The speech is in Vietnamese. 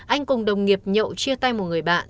anh cùng đồng nghiệp nhậu chia tay một người bạn